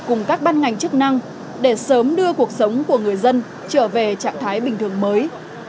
cùng các ban ngành chức năng để sớm đưa cuộc sống của người dân trở về trạng thái bình thường mới